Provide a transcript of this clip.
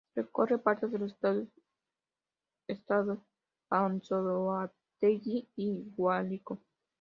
Recorre parte de los estados Estado Anzoátegui y Guárico.